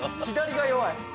左が弱い。